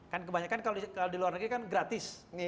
kan kebanyakan kalau di luar negeri kan gratis